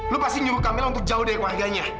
lo pasti nyuruh kamila untuk jauh dari keluarganya